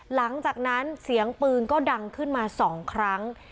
หลังจากนั้นเสียงปืนก็ดังขึ้นมา๒ครั้ง